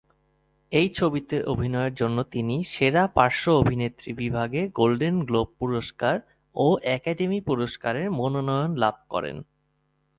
এই ছবিতে অভিনয়ের জন্য তিনি সেরা পার্শ্ব অভিনেত্রী বিভাগে গোল্ডেন গ্লোব পুরস্কার ও একাডেমি পুরস্কারের মনোনয়ন লাভ করেন।